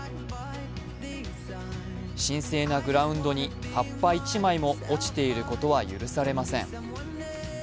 神聖なグラウンドに葉っぱ１枚も落ちていることは許されません。